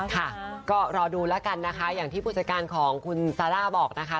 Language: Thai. ค่ะก็รอดูแล้วกันนะคะอย่างที่ผู้จัดการของคุณซาร่าบอกนะคะ